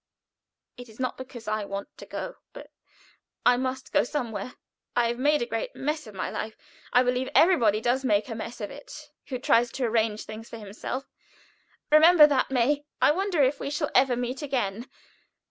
It is not because I want to go, but I must go somewhere. I have made a great mess of my life. I believe everybody does make a mess of it who tries to arrange things for himself. Remember that, May. "I wonder if we shall ever meet again.